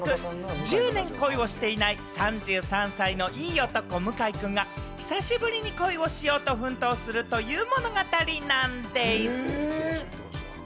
１０年恋をしていない３３歳のいい男・向井くんが、久しぶりに恋をしようと奮闘するという物語なんでぃす！